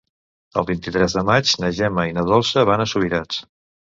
El vint-i-tres de maig na Gemma i na Dolça van a Subirats.